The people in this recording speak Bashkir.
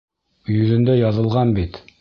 Йөҙөндә яҙылған бит.